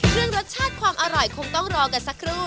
เรื่องรสชาติความอร่อยคงต้องรอกันสักครู่